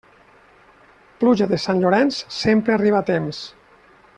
Pluja de Sant Llorenç, sempre arriba a temps.